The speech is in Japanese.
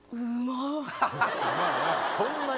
そんなに？